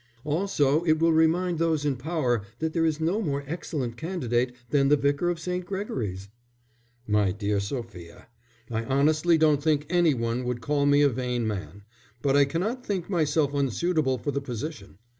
"Also it will remind those in power that there is no more excellent candidate than the Vicar of St. Gregory's." "My dear Sophia, I honestly don't think any one would call me a vain man, but I cannot think myself unsuitable for the position.